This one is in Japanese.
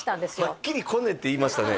はっきり「コネ」って言いましたね